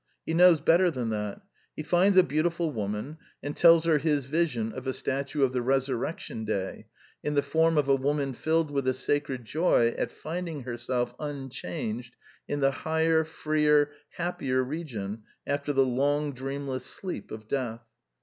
He knows better than that. He finds a beautiful woman, and tells her his vision of a statue of The Resurrection Day in the form of a woman ^' filled with a sacred joy at finding herself un changed in the higher, freer, happier region after the long dreamless sleep of death."